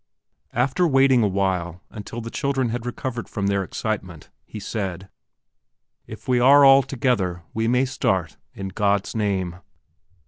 After waiting awhile, until the children had recovered from their excitement, he said: "If we are all together we may start, in God's name."